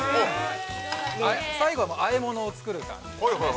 最後はあえものを作る感じですね。